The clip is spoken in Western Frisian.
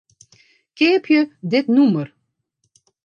Keapje dit nûmer.